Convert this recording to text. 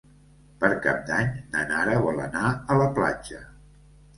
Per Cap d'Any na Nara vol anar a la platja.